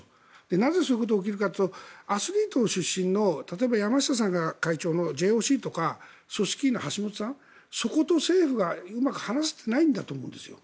なぜ、そういうことが起きるかというとアスリート出身の例えば山下さんが会長のＪＯＣとか組織委の橋本さん、そこと政府がうまく話せていないんだと思うんですよ。